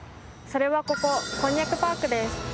それはこここんにゃくパークです。